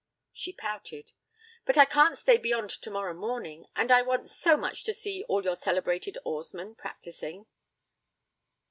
She pouted. 'But I can't stay beyond tomorrow morning, and I want so much to see all your celebrated oarsmen practising.'